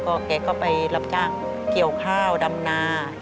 ก็แกไปรับจ้างเขียวข้าวดำนา